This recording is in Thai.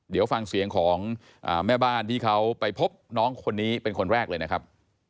เดี๋ยวฟังเสียงของแม่บ้านที่เขาไปพบน้องคนนี้เป็นคนแรกเลยนะครับ